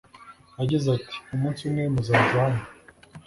Yagize ati umunsi umwe muzaza hano